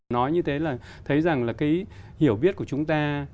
nói như thế là thấy rằng là cái hiểu biết của chúng ta